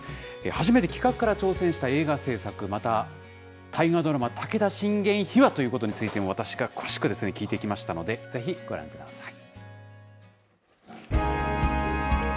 初めて企画から挑戦した映画製作、また大河ドラマ、武田信玄秘話ということについて、私が詳しく聞いてきましたので、是非ご覧ください。